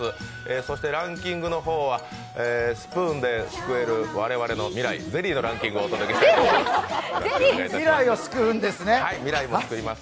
そしてランキングはスプーンですくえる我々の未来、ゼリーのランキングをお届けしたいと思います。